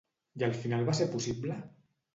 I al final va ser possible?